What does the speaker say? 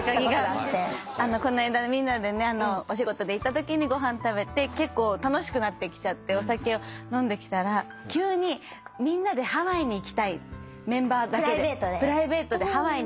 この間みんなでお仕事で行ったときにご飯食べて結構楽しくなってきちゃってお酒を飲んできたら急に「みんなでハワイに行きたい」「メンバーだけでプライベートでハワイに行きたい」と言ってきて。